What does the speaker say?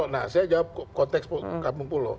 nah saya jawab konteks kampung pulo